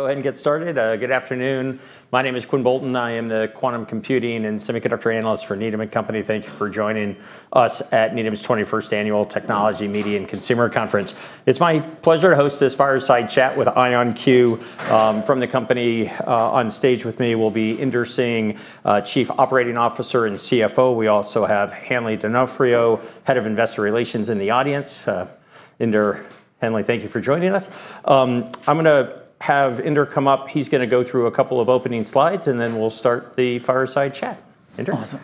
Go ahead and get started. Good afternoon. My name is Quinn Bolton. I am the Quantum Computing and Semiconductor Analyst for Needham & Company. Thank you for joining us at Needham's 21st Annual Technology, Media, and Consumer Conference. It's my pleasure to host this fireside chat with IonQ. From the company, on stage with me will be Inder Singh, Chief Operating Officer and CFO. We also have Hanley d'Onofrio, Head of Investor Relations, in the audience. Inder, Hanley, thank you for joining us. I'm gonna have Inder come up. He's gonna go through a couple of opening slides, and then we'll start the fireside chat. Inder? Awesome.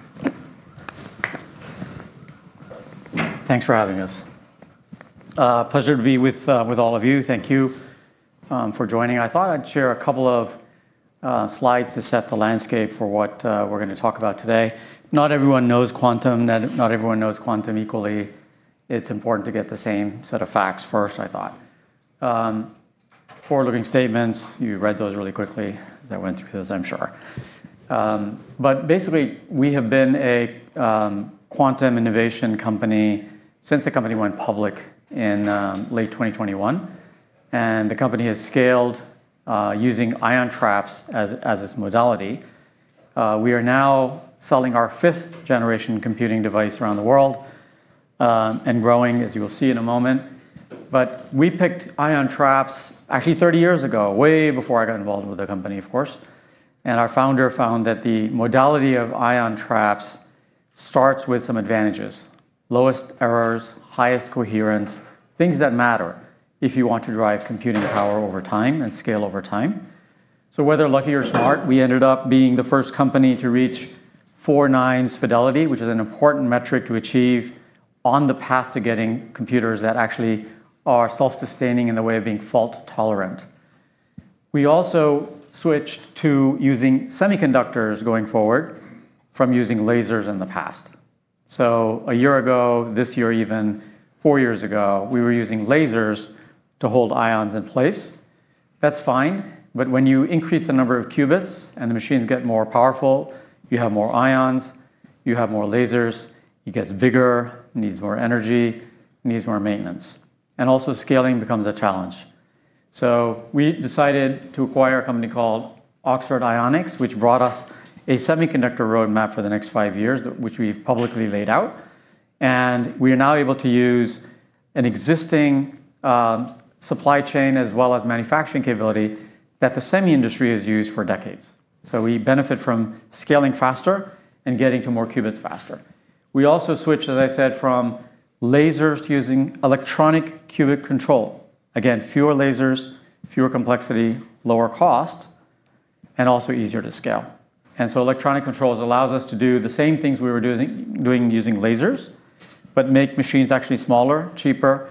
Thanks for having us. Pleasure to be with all of you. Thank you for joining. I thought I'd share a couple of slides to set the landscape for what we're gonna talk about today. Not everyone knows quantum, not everyone knows quantum equally. It's important to get the same set of facts first, I thought. Forward-looking statements, you read those really quickly as I went through those, I'm sure. Basically, we have been a quantum innovation company since the company went public in late 2021, and the company has scaled using ion traps as its modality. We are now selling our fifth generation computing device around the world, and growing, as you will see in a moment. We picked ion traps actually 30 years ago, way before I got involved with the company, of course. Our founder found that the modality of ion traps starts with some advantages: lowest errors, highest coherence, things that matter if you want to drive computing power over time and scale over time. Whether lucky or smart, we ended up being the first company to reach four nines fidelity, which is an important metric to achieve on the path to getting computers that actually are self-sustaining in the way of being fault-tolerant. We also switched to using semiconductors going forward from using lasers in the past. A year ago, this year even, four years ago, we were using lasers to hold ions in place. That's fine, when you increase the number of qubits and the machines get more powerful, you have more ions, you have more lasers, it gets bigger, needs more energy, needs more maintenance. Also scaling becomes a challenge. We decided to acquire a company called Oxford Ionics, which brought us a semiconductor roadmap for the next five years, which we've publicly laid out, and we are now able to use an existing supply chain as well as manufacturing capability that the semi industry has used for decades. We benefit from scaling faster and getting to more qubits faster. We also switched, as I said, from lasers to using electronic qubit control. Again, fewer lasers, fewer complexity, lower cost, and also easier to scale. Electronic qubit control allows us to do the same things we were doing using lasers, but make machines actually smaller, cheaper,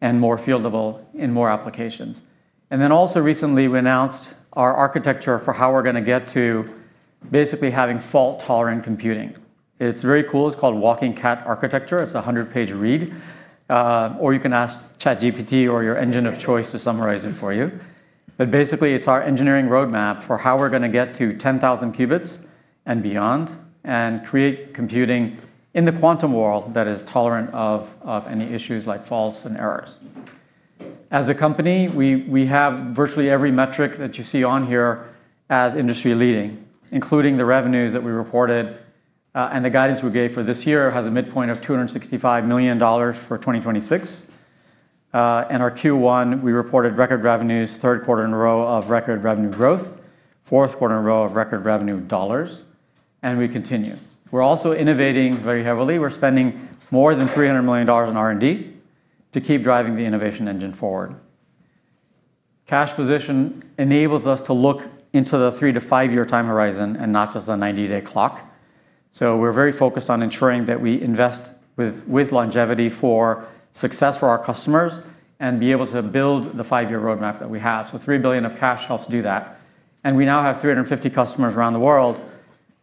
and more fieldable in more applications. Recently, we announced our architecture for how we're gonna get to basically having fault-tolerant computing. It's very cool. It's called Walking Cat Architecture. It's a 100-page read, or you can ask ChatGPT or your engine of choice to summarize it for you. Basically, it's our engineering roadmap for how we're gonna get to 10,000 qubits and beyond and create computing in the quantum world that is tolerant of any issues like faults and errors. As a company, we have virtually every metric that you see on here as industry-leading, including the revenues that we reported, and the guidance we gave for this year has a midpoint of $265 million for 2026. In our Q1, we reported record revenues, third quarter in a row of record revenue growth, fourth quarter in a row of record revenue dollars, we continue. We're also innovating very heavily. We're spending more than $300 million in R&D to keep driving the innovation engine forward. Cash position enables us to look into the 3 to 5 year time horizon and not just the 90-day clock. We're very focused on ensuring that we invest with longevity for success for our customers and be able to build the five-year roadmap that we have. $3 billion of cash helps do that. We now have 350 customers around the world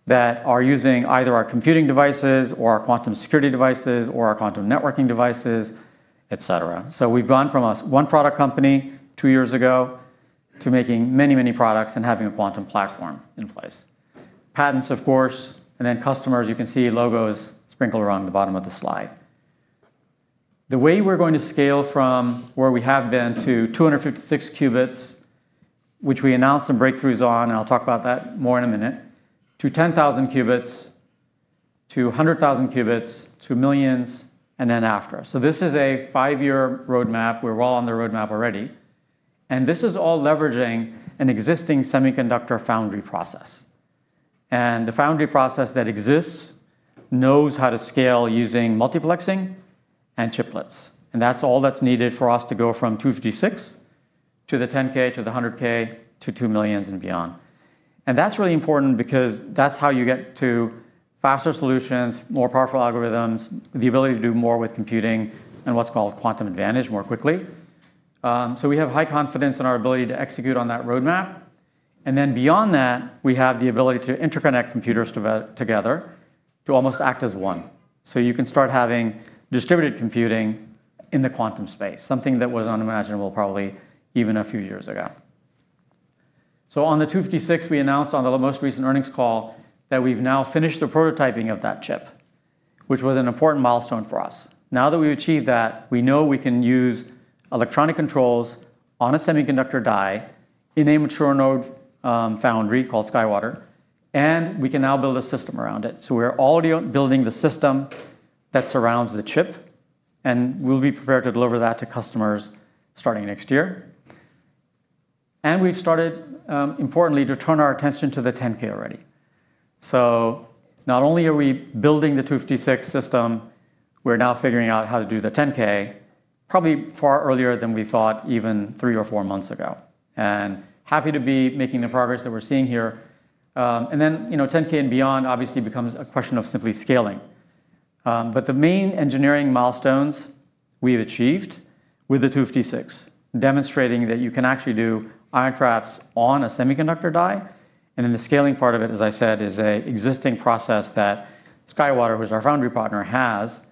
that are using either our computing devices or our quantum security devices or our quantum networking devices, et cetera. We've gone from a one-product company two years ago to making many, many products and having a quantum platform in place. Patents, of course, and then customers, you can see logos sprinkled around the bottom of the slide. The way we're going to scale from where we have been to 256 qubits, which we announced some breakthroughs on, and I'll talk about that more in a minute, to 10,000 qubits, to 100,000 qubits, to millions, and then after. This is a five-year roadmap. We're well on the roadmap already. This is all leveraging an existing semiconductor foundry process. The foundry process that exists knows how to scale using multiplexing and chiplets. That's all that's needed for us to go from 256 qubits to the 10,000 qubits, to the 100,000 qubits, to 2,000,000 qubits and beyond. That's really important because that's how you get to faster solutions, more powerful algorithms, the ability to do more with computing and what's called quantum advantage more quickly. We have high confidence in our ability to execute on that roadmap. Beyond that, we have the ability to interconnect computers together to almost act as one. You can start having distributed computing in the quantum space, something that was unimaginable probably even a few years ago. On the 256 qubits, we announced on the most recent earnings call that we've now finished the prototyping of that chip, which was an important milestone for us. Now that we've achieved that, we know we can use electronic controls on a semiconductor die in a mature node foundry called SkyWater. We can now build a system around it. We're already building the system that surrounds the chip. We'll be prepared to deliver that to customers starting next year. We've started, importantly, to turn our attention to the 10,000 qubits already. Not only are we building the 256 qubits system, we're now figuring out how to do the 10,000 qubits probably far earlier than we thought even three or four months ago. Happy to be making the progress that we're seeing here. You know, 10K and beyond obviously becomes a question of simply scaling. The main engineering milestones we have achieved with the 256 qubits, demonstrating that you can actually do ion traps on a semiconductor die, then the scaling part of it, as I said, is a existing process that SkyWater, which is our foundry partner, has,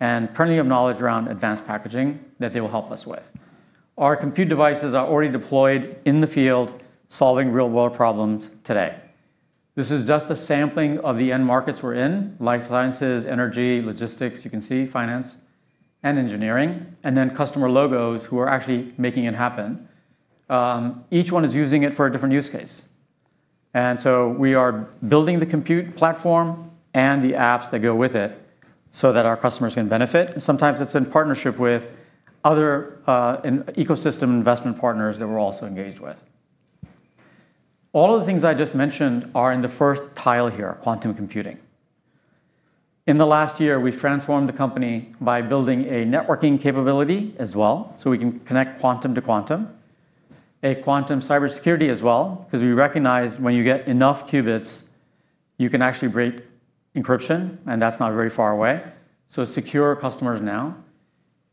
and plenty of knowledge around advanced packaging that they will help us with. Our compute devices are already deployed in the field solving real-world problems today. This is just a sampling of the end markets we're in, life sciences, energy, logistics, you can see finance and engineering, and then customer logos who are actually making it happen. Each one is using it for a different use case. We are building the compute platform and the apps that go with it so that our customers can benefit. Sometimes it's in partnership with other ecosystem investment partners that we're also engaged with. All of the things I just mentioned are in the first tile here, quantum computing. In the last year, we've transformed the company by building a networking capability as well, so we can connect quantum to quantum. A quantum cybersecurity as well, 'cause we recognize when you get enough qubits, you can actually break encryption, and that's not very far away, so secure customers now.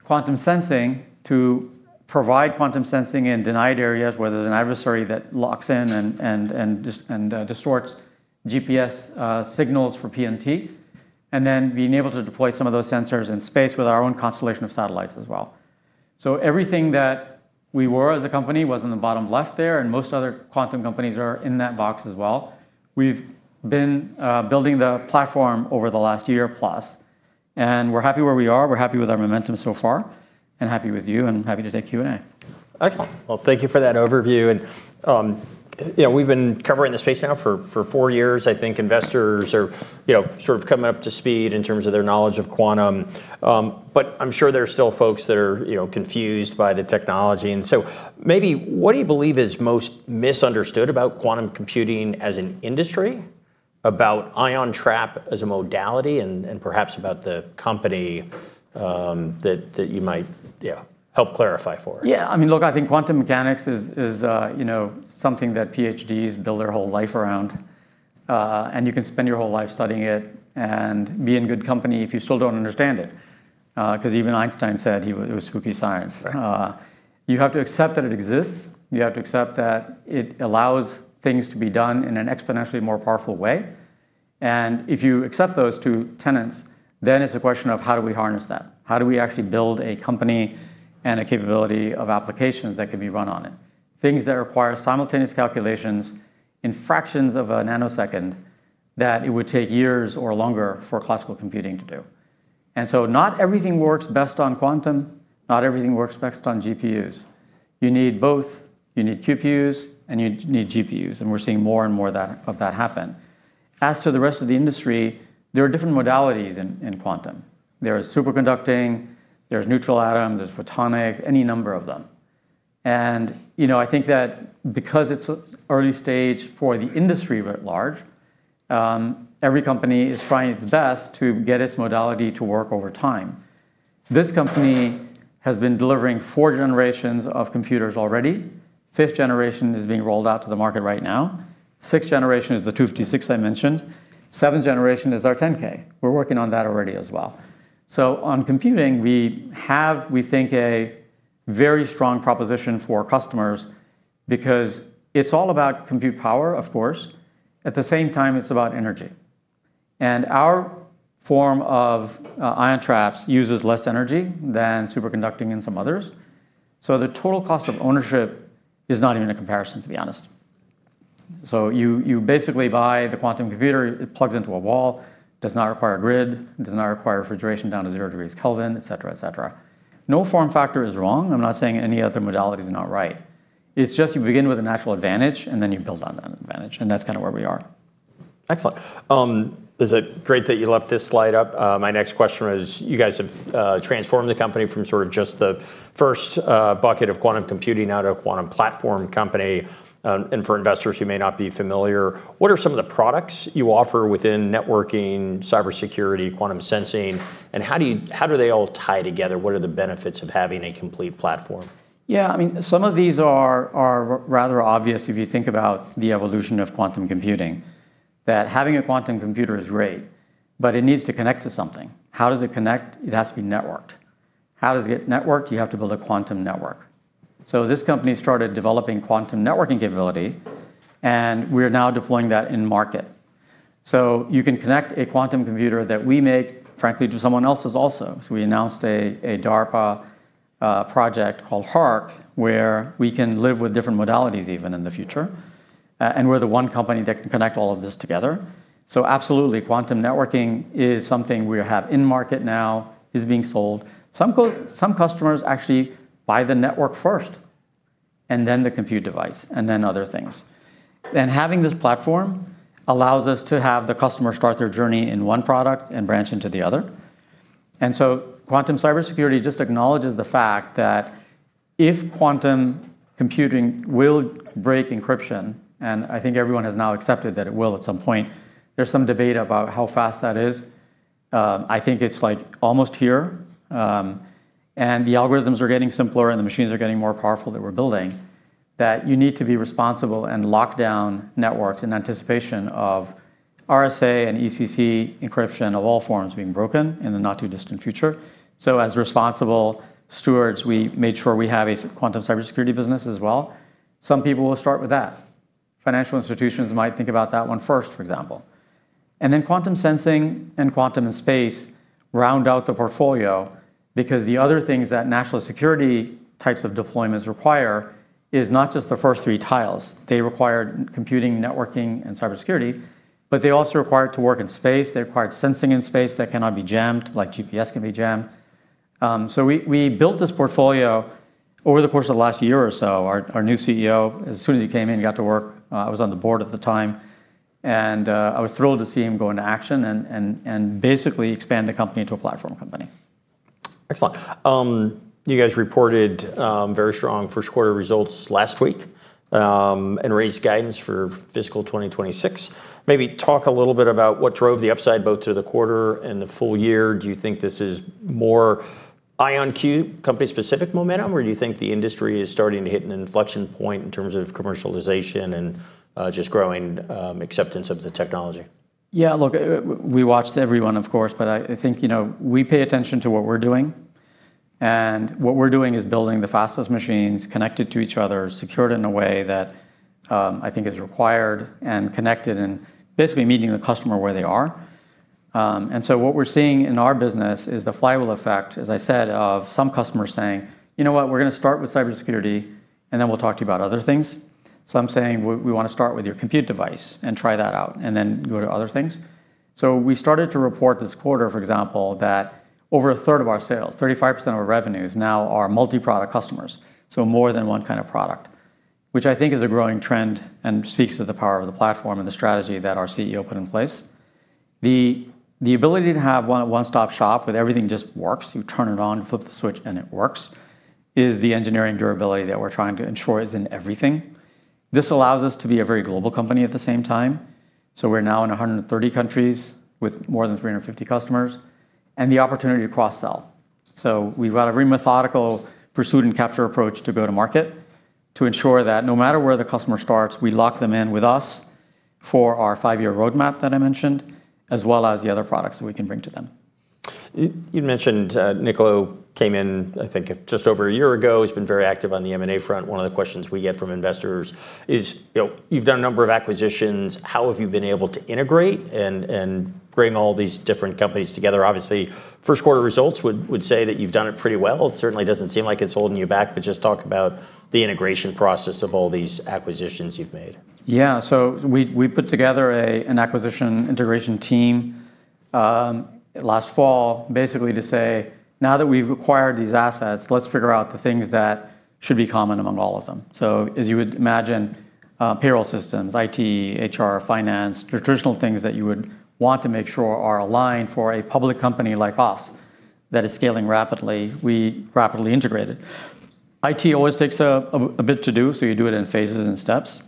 Quantum sensing to provide quantum sensing in denied areas where there's an adversary that locks in and distorts GPS signals for PNT. Then being able to deploy some of those sensors in space with our own constellation of satellites as well. Everything that we were as a company was in the bottom left there, and most other quantum companies are in that box as well. We've been building the platform over the last year plus, and we're happy where we are. We're happy with our momentum so far, and happy with you, and happy to take Q&A. Excellent. Well, thank you for that overview. You know, we've been covering this space now for four years. I think investors are, you know, sort of coming up to speed in terms of their knowledge of quantum. I'm sure there are still folks that are, you know, confused by the technology, maybe what do you believe is most misunderstood about quantum computing as an industry, about ion trap as a modality, and perhaps about the company that you might help clarify for us? Yeah. I mean, look, I think quantum mechanics is, you know, something that PhDs build their whole life around. You can spend your whole life studying it and be in good company if you still don't understand it, 'cause even Einstein said it was spooky science. Uh. You have to accept that it exists. You have to accept that it allows things to be done in an exponentially more powerful way. If you accept those two tenets, then it's a question of how do we harness that? How do we actually build a company and a capability of applications that can be run on it? Things that require simultaneous calculations in fractions of a nanosecond that it would take years or longer for classical computing to do. Not everything works best on quantum, not everything works best on GPUs. You need both. You need QPUs and you need GPUs, and we're seeing more and more of that happen. As to the rest of the industry, there are different modalities in quantum. There's superconducting, there's neutral atom, there's photonic, any number of them. You know, I think that because it's early stage for the industry writ large, every company is trying its best to get its modality to work over time. This company has been delivering four generations of computers already. 5th generation is being rolled out to the market right now. 6th generation is the 256 I mentioned. 7th generation is our 10,000. We're working on that already as well. On computing, we have, we think, a very strong proposition for customers because it's all about compute power, of course. At the same time, it's about energy. Our form of ion traps uses less energy than superconducting and some others. The total cost of ownership is not even a comparison, to be honest. You basically buy the quantum computer, it plugs into a wall, does not require a grid, it does not require refrigeration down to zero degrees Kelvin, et cetera, et cetera. No form factor is wrong. I'm not saying any other modality is not right. It's just you begin with a natural advantage, and then you build on that advantage, and that's kinda where we are. Excellent. Is it great that you left this slide up? My next question was, you guys have transformed the company from sort of just the first bucket of quantum computing now to a quantum platform company. For investors who may not be familiar, what are some of the products you offer within networking, quantum cybersecurity, quantum sensing, and how do they all tie together? What are the benefits of having a complete platform? Yeah. I mean, some of these are rather obvious if you think about the evolution of quantum computing, that having a quantum computer is great, but it needs to connect to something. How does it connect? It has to be networked. How does it get networked? You have to build a quantum network. This company started developing quantum networking capability, and we're now deploying that in market. You can connect a quantum computer that we make, frankly, to someone else's also. We announced a DARPA project called HARQ, where we can live with different modalities even in the future. We're the one company that can connect all of this together. Absolutely, quantum networking is something we have in market now, is being sold. Some customers actually buy the network first, and then the compute device, and then other things. Having this platform allows us to have the customer start their journey in one product and branch into the other. Quantum cybersecurity just acknowledges the fact that if quantum computing will break encryption, and I think everyone has now accepted that it will at some point, there's some debate about how fast that is. I think it's, like, almost here. The algorithms are getting simpler and the machines are getting more powerful that we're building, that you need to be responsible and lock down networks in anticipation of RSA and ECC encryption of all forms being broken in the not too distant future. As responsible stewards, we made sure we have a quantum cybersecurity business as well. Some people will start with that. Financial institutions might think about that one first, for example. Quantum sensing and quantum in space round out the portfolio because the other things that national security types of deployments require is not just the first three tiles. They require computing, networking, and cybersecurity, but they also require it to work in space. They require sensing in space that cannot be jammed like GPS can be jammed. We built this portfolio over the course of the last year or so. Our new CEO, as soon as he came in, he got to work, I was on the board at the time, and basically expand the company into a platform company. Excellent. You guys reported, very strong first quarter results last week, and raised guidance for fiscal 2026. Maybe talk a little bit about what drove the upside both to the quarter and the full year. Do you think this is more IonQ company-specific momentum, or do you think the industry is starting to hit an inflection point in terms of commercialization and, just growing, acceptance of the technology? Yeah, look, we watched everyone, of course, but I think, you know, we pay attention to what we're doing, and what we're doing is building the fastest machines connected to each other, secured in a way that I think is required, and connected, and basically meeting the customer where they are. What we're seeing in our business is the flywheel effect, as I said, of some customers saying, "You know what? We're gonna start with cybersecurity, and then we'll talk to you about other things." Some saying, "We wanna start with your compute device and try that out, and then go to other things." We started to report this quarter, for example, that over a third of our sales, 35% of our revenues now are multi-product customers, so more than one kind of product, which I think is a growing trend and speaks to the power of the platform and the strategy that our CEO put in place. The ability to have one, a one-stop shop with everything just works, you turn it on, flip the switch, and it works, is the engineering durability that we're trying to ensure is in everything. This allows us to be a very global company at the same time, so we're now in 130 countries with more than 350 customers, and the opportunity to cross-sell. We've got a very methodical pursuit and capture approach to go to market to ensure that no matter where the customer starts, we lock them in with us for our five-year roadmap that I mentioned, as well as the other products that we can bring to them. You'd mentioned Niccolo came in, I think, just over one year ago. He's been very active on the M&A front. One of the questions we get from investors is, you know, you've done a number of acquisitions, how have you been able to integrate and bring all these different companies together? Obviously, first quarter results would say that you've done it pretty well. It certainly doesn't seem like it's holding you back. Just talk about the integration process of all these acquisitions you've made. Yeah. We put together an acquisition integration team last fall, basically to say, "Now that we've acquired these assets, let's figure out the things that should be common among all of them." As you would imagine, payroll systems, IT, HR, finance, traditional things that you would want to make sure are aligned for a public company like us that is scaling rapidly, we rapidly integrated. IT always takes a bit to do, so you do it in phases and steps.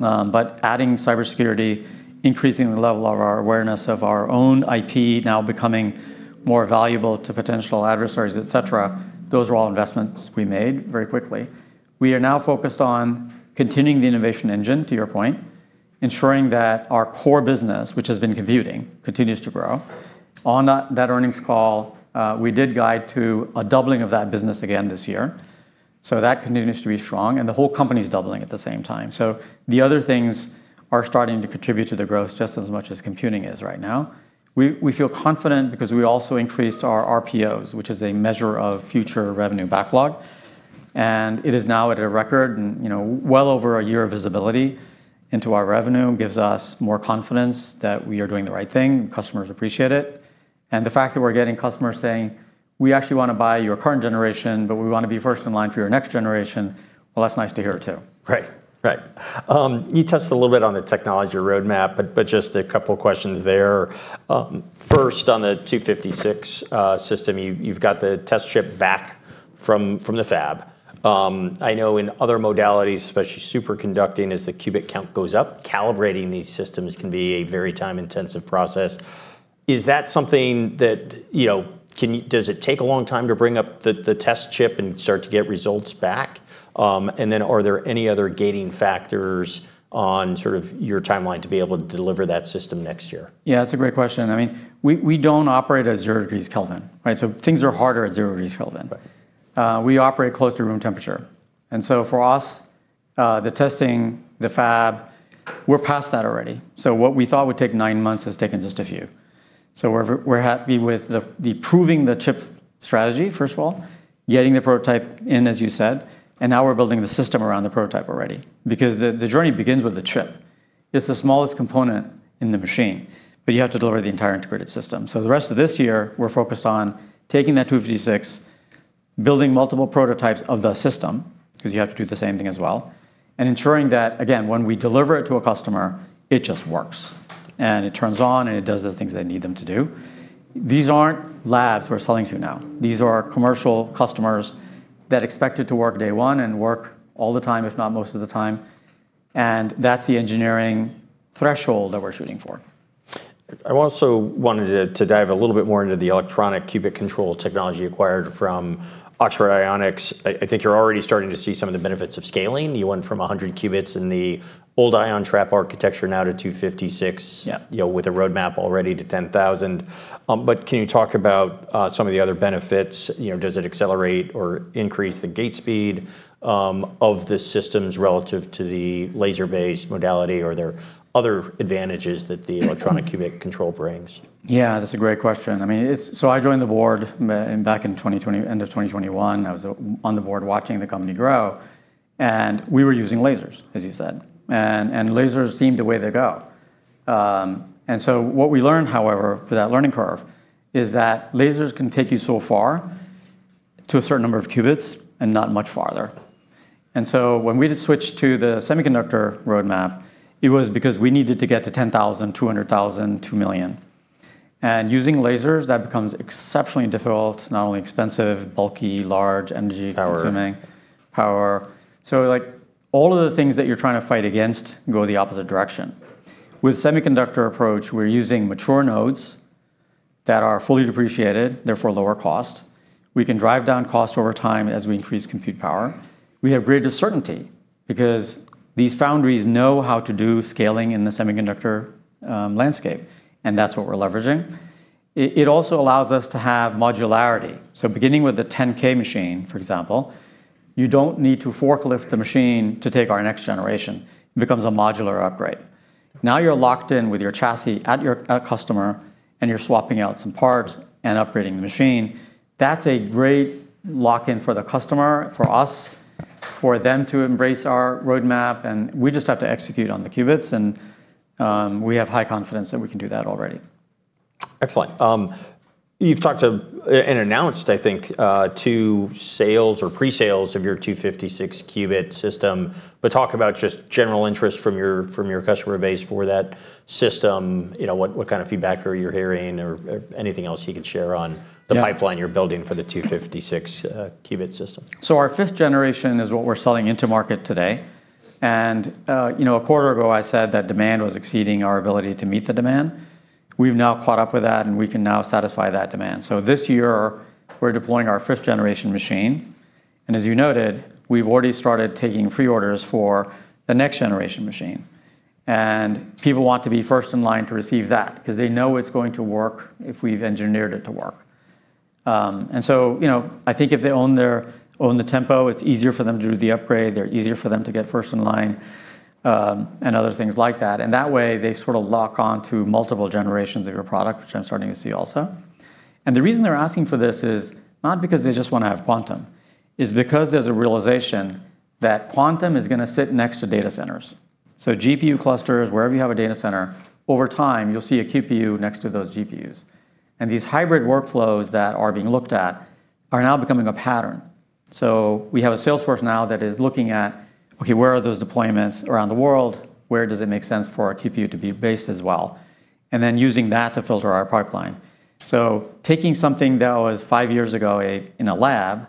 Adding cybersecurity, increasing the level of our awareness of our own IP now becoming more valuable to potential adversaries, et cetera, those are all investments we made very quickly. We are now focused on continuing the innovation engine, to your point, ensuring that our core business, which has been computing, continues to grow. On that earnings call, we did guide to a doubling of that business again this year. That continues to be strong, and the whole company's doubling at the same time. The other things are starting to contribute to the growth just as much as computing is right now. We feel confident because we also increased our RPOs, which is a measure of future revenue backlog, and it is now at a record and, you know, well over a year of visibility into our revenue. It gives us more confidence that we are doing the right thing, customers appreciate it. The fact that we're getting customers saying, "We actually wanna buy your current generation, but we wanna be first in line for your next generation," well, that's nice to hear too. Right. Right. You touched a little bit on the technology roadmap, just a couple questions there. First, on the 256 system, you've got the test chip back from the fab. I know in other modalities, especially superconducting, as the qubit count goes up, calibrating these systems can be a very time-intensive process. Is that something that, you know, does it take a long time to bring up the test chip and start to get results back? Are there any other gating factors on sort of your timeline to be able to deliver that system next year? Yeah, that's a great question. I mean, we don't operate at zero degrees Kelvin, right? Things are harder at zero degrees Kelvin. Uh. We operate close to room temperature. For us, the testing, the fab, we're past that already. What we thought would take nine months has taken just a few. We're happy with the proving the chip strategy, first of all, getting the prototype in, as you said, and now we're building the system around the prototype already because the journey begins with the chip. It's the smallest component in the machine, but you have to deliver the entire integrated system. The rest of this year we're focused on taking that 256 qubits, building multiple prototypes of the system, because you have to do the same thing as well, and ensuring that, again, when we deliver it to a customer, it just works, and it turns on and it does the things they need them to do. These aren't labs we're selling to now. These are commercial customers that expect it to work day one and work all the time, if not most of the time, and that's the engineering threshold that we're shooting for. I also wanted to dive a little bit more into the electronic qubit control technology acquired from Oxford Ionics. I think you're already starting to see some of the benefits of scaling. You went from 100 qubits in the old ion trap architecture now to 256 qubits. Yeah. You know, with a roadmap already to 10,000 qubits. Can you talk about some of the other benefits? You know, does it accelerate or increase the gate speed of the systems relative to the laser-based modality? Are there other advantages that the electronic qubit control brings? Yeah, that's a great question. I mean, I joined the board back in 2020, end of 2021. I was on the board watching the company grow, and we were using lasers, as you said, and lasers seemed the way to go. What we learned, however, through that learning curve, is that lasers can take you so far to a certain number of qubits and not much farther. When we switched to the semiconductor roadmap, it was because we needed to get to 10,000 qubits, 200,000 qubits, 2,000,000 qubits. Using lasers, that becomes exceptionally difficult, not only expensive, bulky, large consuming power. Like, all of the things that you're trying to fight against go the opposite direction. With semiconductor approach, we're using mature nodes that are fully depreciated, therefore lower cost. We can drive down cost over time as we increase compute power. We have greater certainty because these foundries know how to do scaling in the semiconductor landscape, and that's what we're leveraging. It also allows us to have modularity. Beginning with the 10,000 machine, for example, you don't need to forklift the machine to take our next generation. It becomes a modular upgrade. Now you're locked in with your chassis at your customer, and you're swapping out some parts and upgrading the machine. That's a great lock-in for the customer, for us, for them to embrace our roadmap, and we just have to execute on the qubits and we have high confidence that we can do that already. Excellent. You've talked to and announced, I think, sales sales or pre-sales of your 256 qubit system. Talk about just general interest from your customer base for that system. You know, what kind of feedback are you hearing or anything else you can share? Yeah the pipeline you're building for the 256 qubit system. Our 5th generation is what we're selling into market today, you know, a quarter ago I said that demand was exceeding our ability to meet the demand. We've now caught up with that, and we can now satisfy that demand. This year we're deploying our fifth-generation machine and as you noted, we've already started taking pre-orders for the next-generation machine, and people want to be first in line to receive that because they know it's going to work if we've engineered it to work. You know, I think if they own the IonQ Tempo, it's easier for them to do the upgrade, they're easier for them to get first in line, and other things like that, and that way they sort of lock on to multiple generations of your product, which I'm starting to see also. The reason they're asking for this is not because they just wanna have quantum. It's because there's a realization that quantum is gonna sit next to data centers. GPU clusters, wherever you have a data center, over time you'll see a QPU next to those GPUs. These hybrid workflows that are being looked at are now becoming a pattern. We have a sales force now that is looking at, okay, where are those deployments around the world? Where does it make sense for a QPU to be based as well? Then using that to filter our pipeline. Taking something that was five years ago a, in a lab,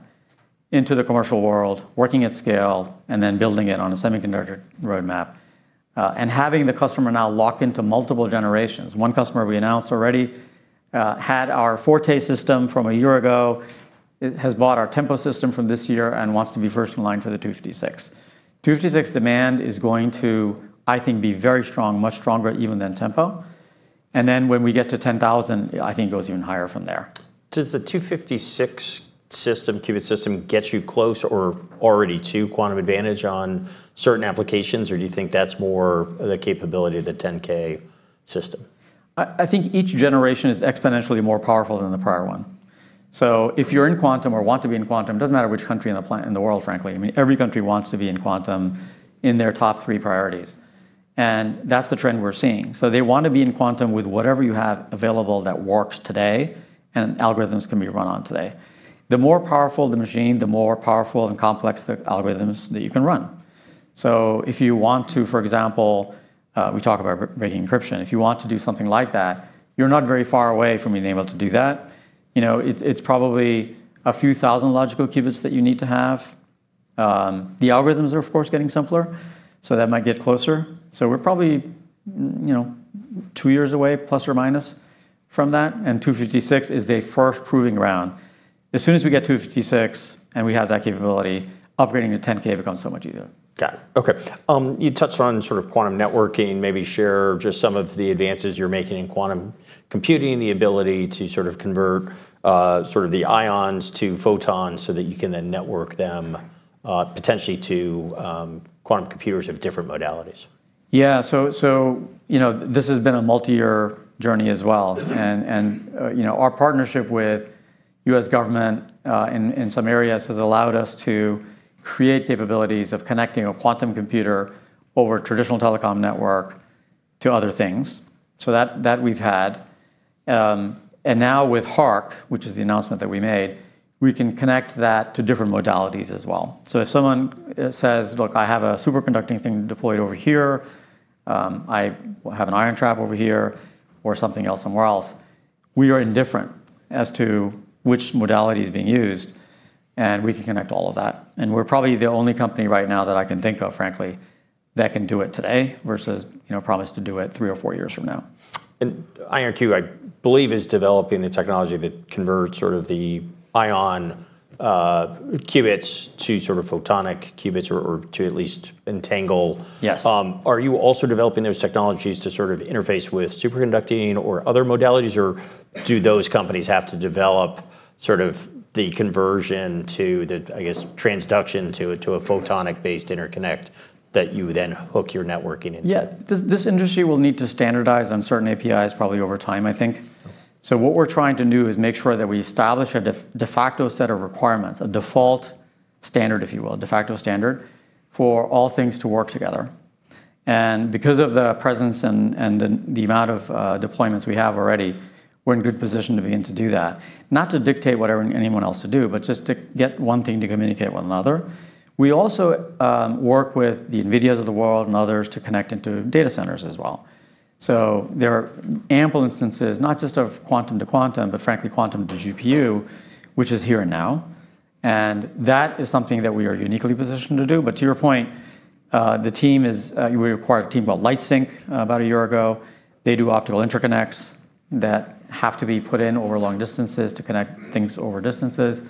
into the commercial world, working at scale, and then building it on a semiconductor roadmap, and having the customer now lock into multiple generations. One customer we announced already, had our Forte system from a year ago, has bought our Tempo system from this year and wants to be first in line for the 256. 256 demand is going to, I think, be very strong, much stronger even than Tempo, and then when we get to 10,000, I think it goes even higher from there. Does the 256 system, qubit system get you close or already to quantum advantage on certain applications, or do you think that's more the capability of the 10,000 system? I think each generation is exponentially more powerful than the prior one. If you're in quantum or want to be in quantum, it doesn't matter which country in the world, frankly, I mean, every country wants to be in quantum in their top three priorities, and that's the trend we're seeing. They want to be in quantum with whatever you have available that works today and algorithms can be run on today. The more powerful the machine, the more powerful and complex the algorithms that you can run. If you want to, for example, we talk about breaking encryption, if you want to do something like that, you're not very far away from being able to do that. You know, it's probably a few thousand logical qubits that you need to have. The algorithms are of course getting simpler, so that might get closer. We're probably, you know, two years away, plus or minus, from that, and 256 is a first proving ground. As soon as we get 256 and we have that capability, upgrading to 10,000 becomes so much easier. Got it. Okay. You touched on sort of quantum networking. Maybe share just some of the advances you're making in quantum computing, the ability to sort of convert, sort of the ions to photons so that you can then network them potentially to quantum computers of different modalities. Yeah, you know, this has been a multi-year journey as well. You know, our partnership with U.S. government in some areas has allowed us to create capabilities of connecting a quantum computer over traditional telecom network to other things. That we've had. Now with HARQ, which is the announcement that we made, we can connect that to different modalities as well. If someone says, "Look, I have a superconducting thing deployed over here, I have an ion trap over here, or something else somewhere else," we are indifferent as to which modality is being used, and we can connect all of that. We're probably the only company right now that I can think of, frankly, that can do it today versus, you know, promise to do it three or four years from now. IonQ, I believe is developing the technology that converts sort of the ion qubits to sort of photonic qubits or to at least entangle. Yes. Are you also developing those technologies to sort of interface with superconducting or other modalities, or do those companies have to develop sort of the conversion to the, I guess, transduction to a, to a photonic based interconnect that you then hook your networking into? Yeah. This industry will need to standardize on certain APIs probably over time, I think. What we're trying to do is make sure that we establish a de facto set of requirements, a default standard, if you will, de facto standard, for all things to work together. Because of the presence and the amount of deployments we have already, we're in good position to be in to do that. Not to dictate what anyone else to do, but just to get one thing to communicate with another. We also work with the NVIDIAs of the world and others to connect into data centers as well. There are ample instances, not just of quantum to quantum, but frankly quantum to GPU, which is here and now, and that is something that we are uniquely positioned to do. To your point, we acquired a team called Lightsynq about a year ago. They do optical interconnects that have to be put in over long distances to connect things over distances.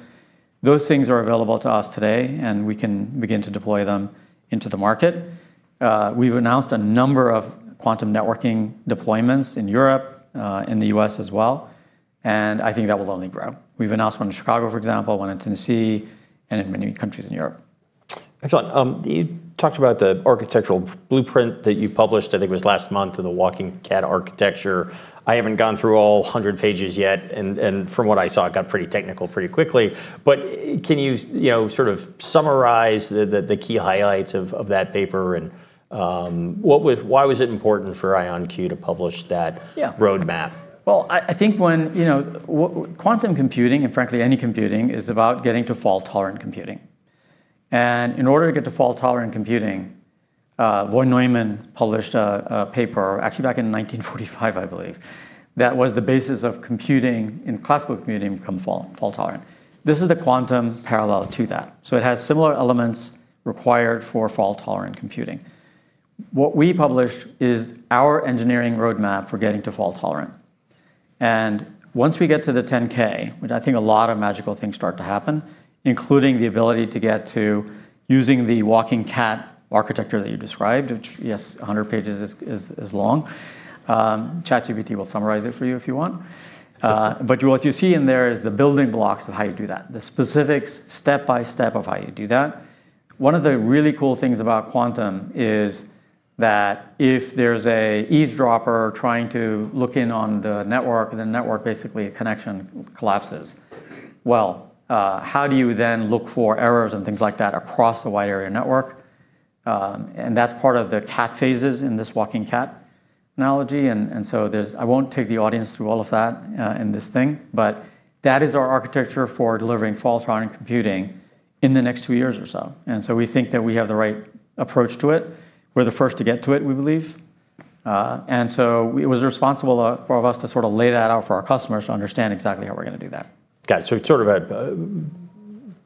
Those things are available to us today, and we can begin to deploy them into the market. We've announced a number of quantum networking deployments in Europe, in the U.S. as well, and I think that will only grow. We've announced one in Chicago, for example, one in Tennessee, and in many countries in Europe. Excellent. You talked about the architectural blueprint that you published, I think it was last month, of the Walking Cat Architecture. I haven't gone through all 100 pages yet, and from what I saw, it got pretty technical pretty quickly. Can you sort of summarize the key highlights of that paper, and why was it important for IonQ to publish that? Yeah. Roadmap? Well, I think when, you know, quantum computing, and frankly any computing, is about getting to fault-tolerant computing. In order to get to fault-tolerant computing, Von Neumann published a paper actually back in 1945, I believe that was the basis of computing in classical computing become fault-tolerant. This is the quantum parallel to that, so it has similar elements required for fault-tolerant computing. What we published is our engineering roadmap for getting to fault-tolerant. Once we get to the 10,000, which I think a lot of magical things start to happen, including the ability to get to using the Walking Cat Architecture that you described, which, yes, 100 pages is long. ChatGPT will summarize it for you if you want. Uh. What you see in there is the building blocks of how you do that, the specifics step by step of how you do that. One of the really cool things about quantum is that if there's a eavesdropper trying to look in on the network, the network basically connection collapses. Well, how do you then look for errors and things like that across a wide area network? That's part of the cat phases in this Walking Cat analogy. So I won't take the audience through all of that, in this thing, but that is our architecture for delivering fault-tolerant computing in the next two years or so. So we think that we have the right approach to it. We're the first to get to it, we believe. It was responsible for us to sort of lay that out for our customers to understand exactly how we're gonna do that. Got it. It's sort of a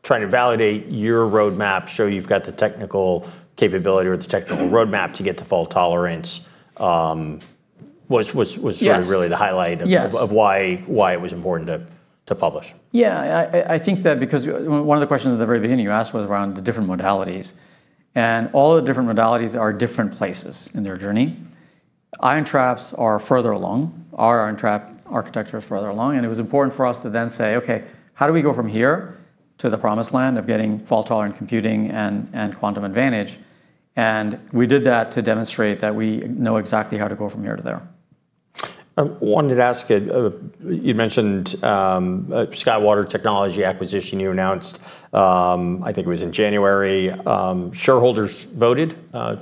trying to validate your roadmap, show you've got the technical capability or the technical roadmap to get to fault tolerance. Yes. Sort of really the highlight. Yes. Of why it was important to publish? Yeah, I think that because one of the questions at the very beginning you asked was around the different modalities. All the different modalities are different places in their journey. Ion traps are further along. Our ion trap architecture is further along. It was important for us to then say, "Okay, how do we go from here to the promised land of getting fault-tolerant computing and quantum advantage?" We did that to demonstrate that we know exactly how to go from here to there. I wanted to ask, you mentioned SkyWater Technology acquisition you announced, I think it was in January. Shareholders voted,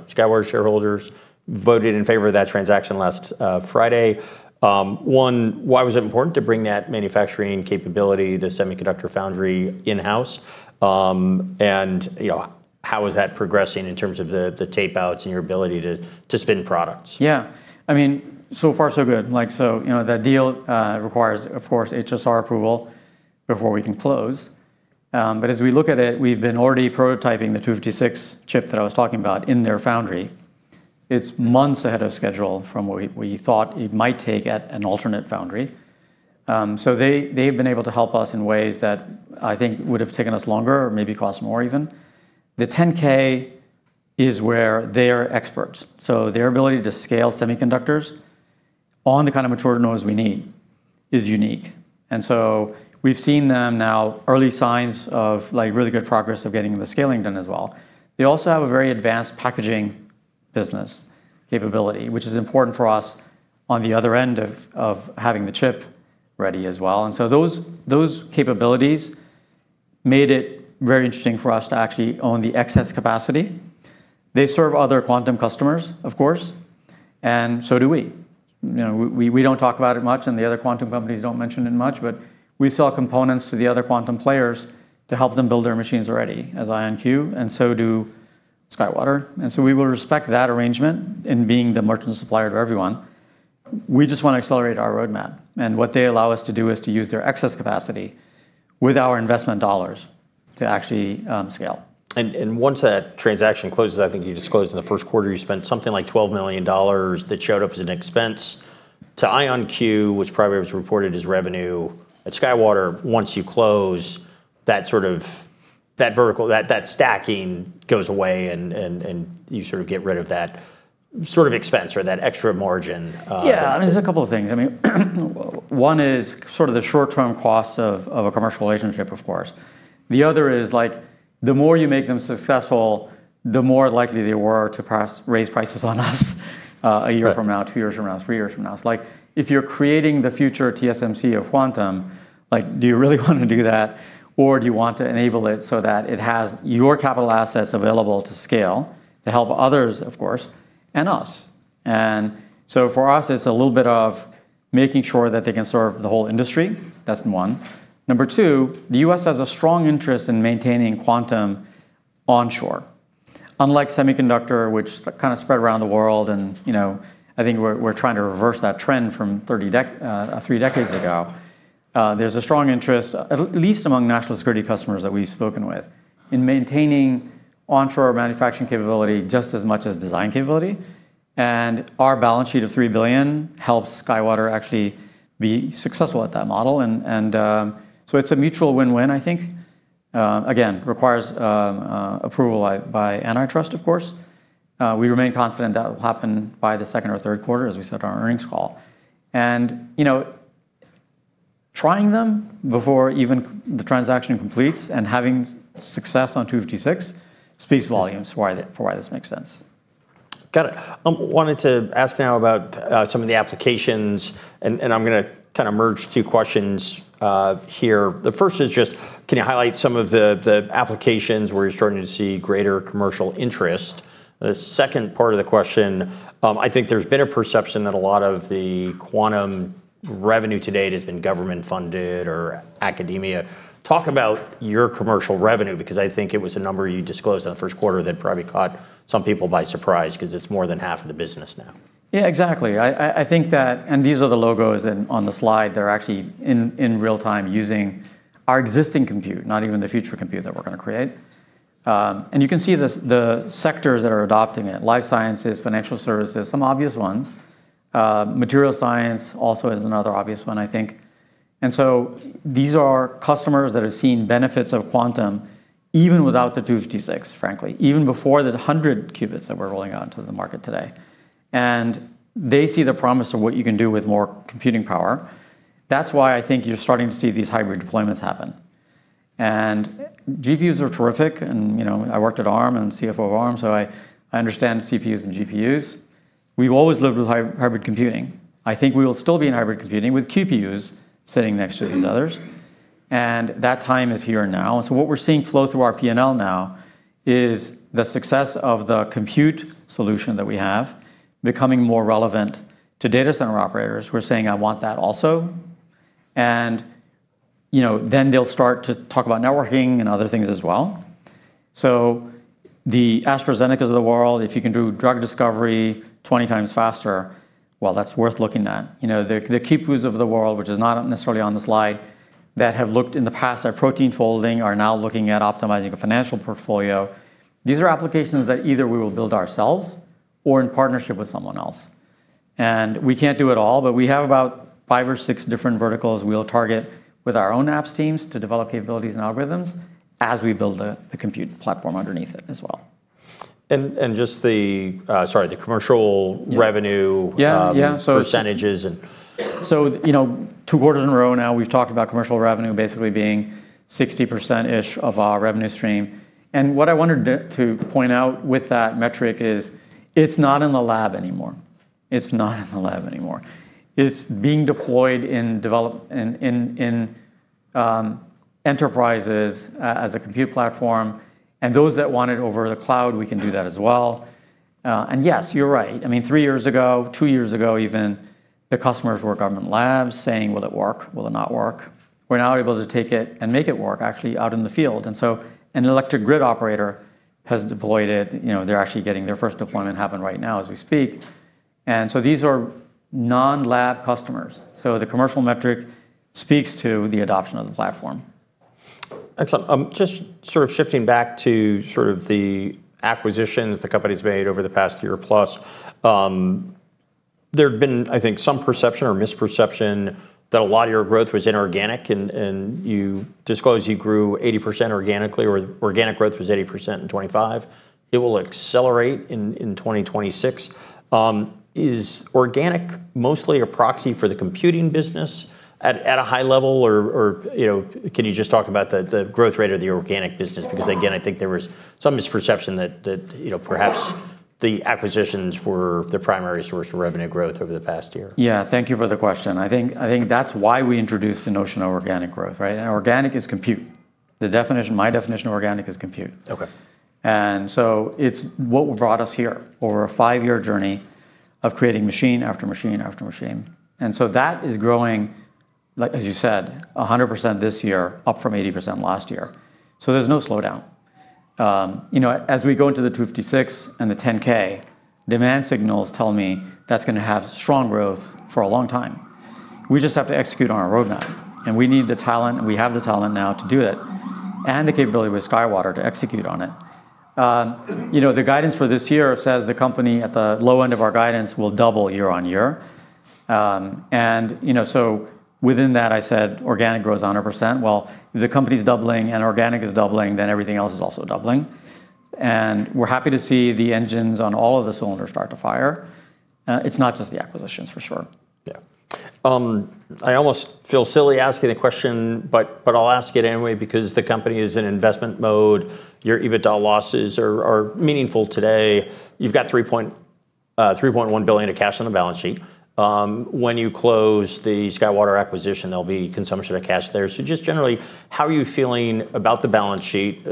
SkyWater shareholders voted in favor of that transaction last Friday. One, why was it important to bring that manufacturing capability, the semiconductor foundry in-house? You know, how is that progressing in terms of the tape outs and your ability to spin products? Yeah. I mean, so far so good. Like, so, you know, the deal requires, of course, HSR approval before we can close. As we look at it, we've been already prototyping the 256 chip that I was talking about in their foundry. It's months ahead of schedule from what we thought it might take at an alternate foundry. They've been able to help us in ways that I think would have taken us longer or maybe cost more even. The 10,000 is where they're experts, so their ability to scale semiconductors on the kind of mature nodes we need is unique. We've seen them now early signs of, like, really good progress of getting the scaling done as well. They also have a very advanced packaging business capability, which is important for us on the other end of having the chip ready as well. Those capabilities made it very interesting for us to actually own the excess capacity. They serve other quantum customers, of course, and so do we. You know, we don't talk about it much, the other quantum companies don't mention it much, we sell components to the other quantum players to help them build their machines already as IonQ, and so do SkyWater. We will respect that arrangement in being the merchant supplier to everyone. We just wanna accelerate our roadmap, what they allow us to do is to use their excess capacity with our investment dollars to actually scale. Once that transaction closes, I think you disclosed in the first quarter, you spent something like $12 million that showed up as an expense to IonQ, which probably was reported as revenue at SkyWater. Once you close, that sort of vertical, that stacking goes away and you sort of get rid of that sort of expense or that extra margin. Yeah, I mean, there's two things. I mean, one is sort of the short-term costs of a commercial relationship, of course. The other is, like, the more you make them successful, the more likely they were to raise prices on us. Right. A year from now, two years from now, three years from now. It's like, if you're creating the future TSMC of quantum, like, do you really wanna do that? Do you want to enable it so that it has your capital assets available to scale to help others, of course, and us? For us, it's a little bit of making sure that they can serve the whole industry. That's one. Number two, the U.S. has a strong interest in maintaining quantum onshore. Unlike semiconductor, which kinda spread around the world and, you know, I think we're trying to reverse that trend from three decades ago. There's a strong interest, at least among national security customers that we've spoken with, in maintaining onshore manufacturing capability just as much as design capability. Our balance sheet of $3 billion helps SkyWater actually be successful at that model. So it's a mutual win-win, I think. Again, requires approval by antitrust, of course. We remain confident that will happen by the second or third quarter, as we said on our earnings call. You know, trying them before even the transaction completes and having success on 256 speaks volumes for why, for why this makes sense. Got it. wanted to ask now about some of the applications, and I'm gonna kinda merge two questions here. The first is just, can you highlight some of the applications where you're starting to see greater commercial interest? The second part of the question, I think there's been a perception that a lot of the quantum revenue to date has been government-funded or academia. Talk about your commercial revenue, because I think it was a number you disclosed in the first quarter that probably caught some people by surprise, 'cause it's more than half of the business now. Yeah, exactly. These are the logos on the slide. They're actually in real time using our existing compute, not even the future compute that we're gonna create. You can see the sectors that are adopting it, life sciences, financial services, some obvious ones. Material science also is another obvious one, I think. These are customers that have seen benefits of quantum even without the 256, frankly, even before the 100qubits that we're rolling out into the market today. They see the promise of what you can do with more computing power. That's why I think you're starting to see these hybrid deployments happen. GPUs are terrific and, you know, I worked at Arm and CFO of Arm, so I understand CPUs and GPUs. We've always lived with hybrid computing. I think we will still be in hybrid computing with QPUs sitting next to these others, and that time is here now. What we're seeing flow through our P&L now is the success of the compute solution that we have becoming more relevant to data center operators who are saying, "I want that also." You know, then they'll start to talk about networking and other things as well. The AstraZenecas of the world, if you can do drug discovery 20 times faster, well, that's worth looking at. You know, the QPUs of the world, which is not necessarily on the slide, that have looked in the past at protein folding, are now looking at optimizing a financial portfolio. These are applications that either we will build ourselves or in partnership with someone else. We can't do it all, but we have about five or six different verticals we'll target with our own apps teams to develop capabilities and algorithms as we build the compute platform underneath it as well. Just the, sorry, the commercial revenue. Yeah. Percentages. You know, two quarters in a row now, we've talked about commercial revenue basically being 60%-ish of our revenue stream. What I wanted to point out with that metric is it's not in the lab anymore. It's not in the lab anymore. It's being deployed in enterprises as a compute platform, and those that want it over the cloud, we can do that as well. Yes, you're right. I mean, three years ago, two years ago even, the customers were government labs saying, "Will it work? Will it not work?" We're now able to take it and make it work actually out in the field. An electric grid operator has deployed it. You know, they're actually getting their first deployment happen right now as we speak. These are non-lab customers. The commercial metric speaks to the adoption of the platform. Excellent. Just sort of shifting back to sort of the acquisitions the company's made over the past year plus. There'd been, I think, some perception or misperception that a lot of your growth was inorganic and you disclosed you grew 80% organically or organic growth was 80% in 2025. It will accelerate in 2026. Is organic mostly a proxy for the computing business at a high level? Or, you know, can you just talk about the growth rate of the organic business? Again, I think there was some misperception that, you know, perhaps the acquisitions were the primary source of revenue growth over the past year. Yeah. Thank you for the question. I think that's why we introduced the notion of organic growth, right? Organic is compute. My definition of organic is compute. Okay. It's what brought us here over a five-year journey of creating machine after machine after machine. That is growing, like as you said, 100% this year, up from 80% last year. You know, as we go into the 256 and the 10,000, demand signals tell me that's gonna have strong growth for a long time. We just have to execute on our roadmap, and we need the talent and we have the talent now to do it, and the capability with SkyWater to execute on it. You know, the guidance for this year says the company at the low end of our guidance will double year-over-year. And you know, within that I said organic grows 100%. Well, if the company's doubling and organic is doubling, then everything else is also doubling. We're happy to see the engines on all of the cylinders start to fire. It's not just the acquisitions for sure. Yeah. I almost feel silly asking a question, but I'll ask it anyway because the company is in investment mode. Your EBITDA losses are meaningful today. You've got $3.1 billion of cash on the balance sheet. When you close the SkyWater acquisition, there'll be consumption of cash there. Just generally, how are you feeling about the balance sheet,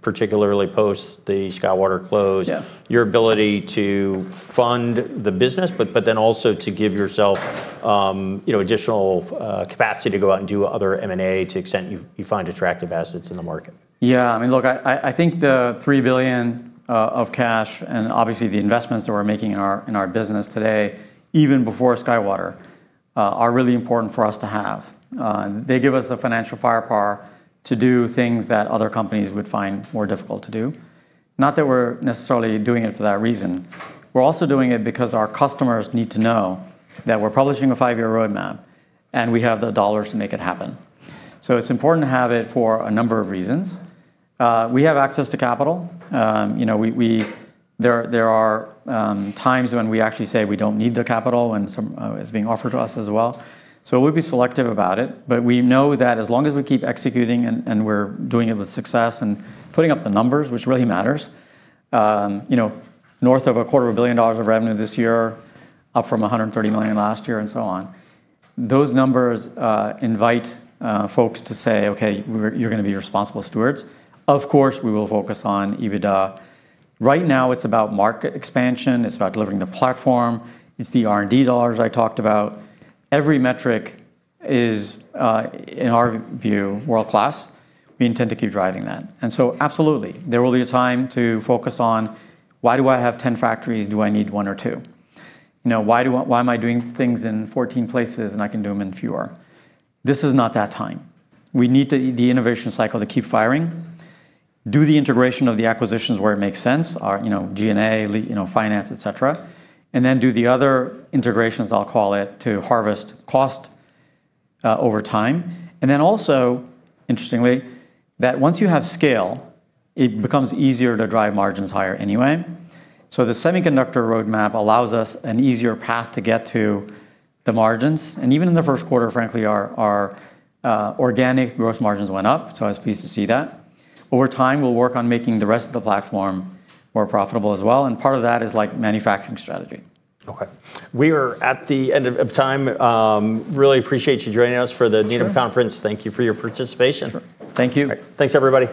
particularly post the SkyWater close? Yeah. Your ability to fund the business, but then also to give yourself, you know, additional capacity to go out and do other M&A to the extent you find attractive assets in the market. I mean, look, I think the $3 billion of cash, and obviously the investments that we're making in our business today, even before SkyWater, are really important for us to have. They give us the financial firepower to do things that other companies would find more difficult to do. Not that we're necessarily doing it for that reason. We're also doing it because our customers need to know that we're publishing a five-year roadmap and we have the dollars to make it happen. It's important to have it for a number of reasons. We have access to capital. You know, we, there are times when we actually say we don't need the capital when some is being offered to us as well. We'll be selective about it, but we know that as long as we keep executing and we're doing it with success and putting up the numbers, which really matters, you know, north of a quarter of a billion dollars of revenue this year, up from $130 million last year and so on. Those numbers invite folks to say, "Okay, you're gonna be responsible stewards." Of course, we will focus on EBITDA. Right now it's about market expansion. It's about delivering the platform. It's the R&D dollars I talked about. Every metric is in our view, world-class. We intend to keep driving that. Absolutely, there will be a time to focus on why do I have 10 factories? Do I need one or two? You know, why am I doing things in 14 places and I can do them in fewer? This is not that time. We need the innovation cycle to keep firing, do the integration of the acquisitions where it makes sense, our, you know, G&A, you know, finance, et cetera, do the other integrations, I'll call it, to harvest cost over time. Also interestingly, that once you have scale, it becomes easier to drive margins higher anyway. The semiconductor roadmap allows us an easier path to get to the margins, and even in the first quarter, frankly, our organic growth margins went up, I was pleased to see that. Over time, we'll work on making the rest of the platform more profitable as well, and part of that is like manufacturing strategy. Okay. We are at the end of time. Really appreciate you joining us for the. Sure. Conference. Thank you for your participation. Sure. Thank you. Thanks everybody.